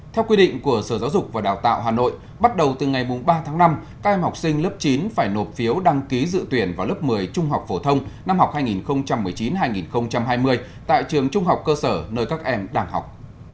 theo quy định của sở giáo dục và đào tạo hà nội bắt đầu từ ngày ba tháng năm các em học sinh lớp chín phải nộp phiếu đăng ký dự tuyển vào lớp một mươi trung học phổ thông năm học hai nghìn một mươi chín hai nghìn hai mươi tại trường trung học cơ sở nơi các em đang học